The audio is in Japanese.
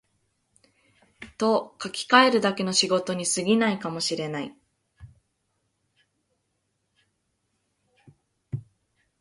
と書きかえるだけの仕事に過ぎないかも知れない